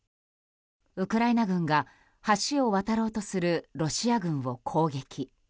ウクライナ軍が橋を渡ろうとするロシア軍を攻撃。